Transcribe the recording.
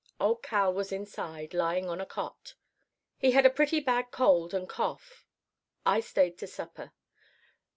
"Old Cal was inside, lying on a cot. He had a pretty bad cold and cough. I stayed to supper.